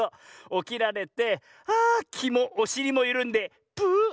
おきられてあきもおしりもゆるんでプーッ。